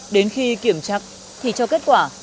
đến khi kiểm trắc thì cho kết quả